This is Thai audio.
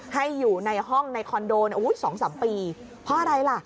ให้อยู่ในห้องในคอนโด๒๓ปีเพราะอะไรล่ะ